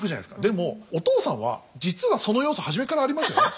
でもお父さんは実はその要素初めからありましたよね。